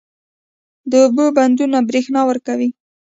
د اوبو بندونه برښنا ورکوي